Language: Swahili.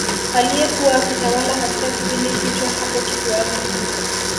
Aliyekuwa akitawala katika kipindi hicho hapo kisiwani